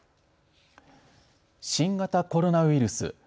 新型コロナウイルス。